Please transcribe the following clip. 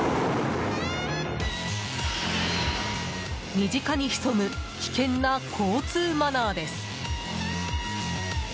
身近に潜む危険な交通マナーです。